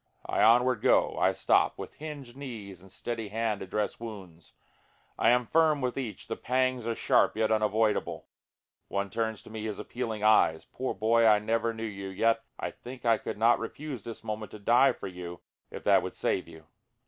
I onward go, I stop, With hinged knees and steady hand to dress wounds, I am firm with each, the pangs are sharp yet unavoidable, One turns to me his appealing eyes poor boy! I never knew you, Yet I think I could not refuse this moment to die for you, if that would save you.